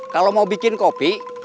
kalau mau bikin kopi